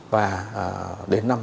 và đến năm hai nghìn hai mươi sáu